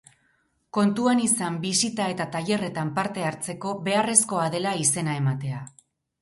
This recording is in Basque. Kontuan izan bisita eta tailerretan parte hartzeko beharrezkoa dela izena ematea.